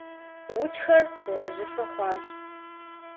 Удзхэр гъуэжьыфэ хъуащ.